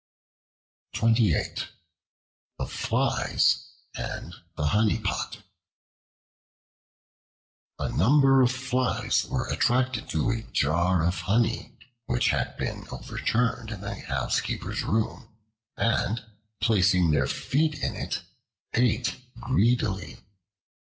The Flies and the Honey Pot A NUMBER of Flies were attracted to a jar of honey which had been overturned in a housekeeper's room, and placing their feet in it, ate greedily.